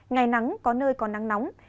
ngày nắng có nơi có nắng nóng